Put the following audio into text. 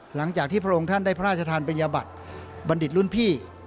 พระองค์ท่านได้พระราชทานปริญญาบัตรบัณฑิตรุ่นพี่